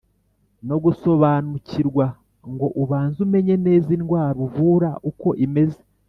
no gusobanukirwa ngo ubanze umenye neza indwara uvura uko imeze